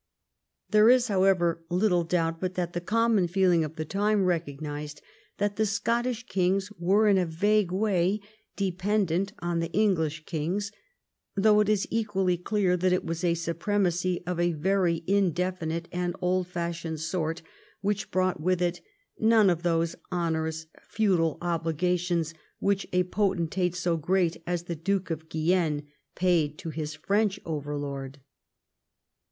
There is, however, little doubt but that the common feeling of the time recognised that the Scottish kings were in a vague way dependent on the English kings, though it is equally clear that it was a supremacy of a very indefinite and old fashioned sort which brought with it none of those onerous feudal obligations which a potentate so great as the Duke of Guienne paid to his French overlord.